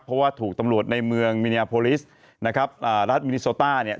เพราะว่าถูกตำรวจในเมืองมิเนียโพลิสนะครับอ่ารัฐมินิโซต้าเนี่ย